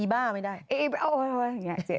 อีบ่าอีบยไม่ได้